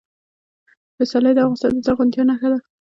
پسرلی د افغانستان د زرغونتیا نښه ده.